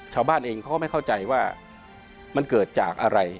ชาวบ้านเองเขาก็ไม่เข้าใจว่ามันเกิดจากอะไร